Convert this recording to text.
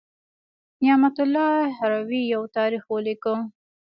نعمت الله هروي یو تاریخ ولیکه.